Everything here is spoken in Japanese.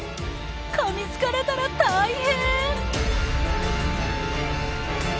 かみつかれたら大変！